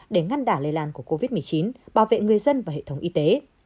để ngăn đả lây lan của covid một mươi chín bảo vệ người dân và hệ thống y tế